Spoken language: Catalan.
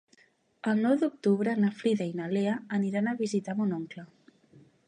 El nou d'octubre na Frida i na Lea aniran a visitar mon oncle.